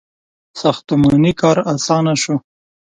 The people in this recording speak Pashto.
• ساختماني کار آسانه شو.